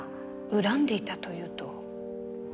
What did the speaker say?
恨んでいたというと？